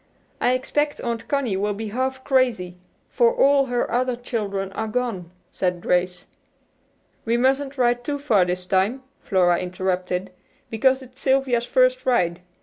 I expect Aunt Connie will be half crazy, for all her other children are gone," said Grace. "We mustn't ride too far this time," Flora interrupted, "because it's Sylvia's first ride.